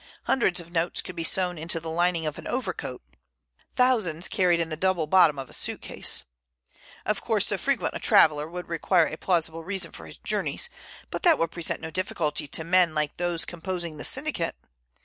Hundreds of notes could be sewn into the lining of an overcoat, thousands carried in the double bottom of a suitcase. Of course, so frequent a traveller would require a plausible reason for his journeys, but that would present no difficulty to men like those composing the syndicate.